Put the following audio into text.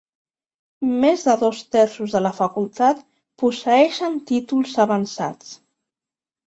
Més de dos terços de la facultat posseeixen títols avançats.